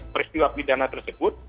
peristiwa pidana tersebut